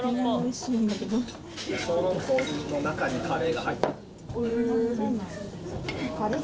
小籠包の中にカレーが入ってへー。